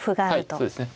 はいそうですね。